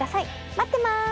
待ってます。